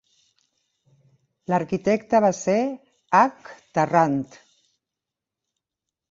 L'arquitecte va ser H. Tarrant.